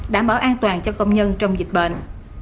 đảm bảo an toàn cho công nhân trong dịch bệnh